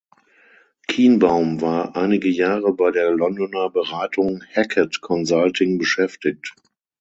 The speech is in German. Kienbaum war einige Jahre bei der Londoner Beratung "Hackett Consulting" beschäftigt.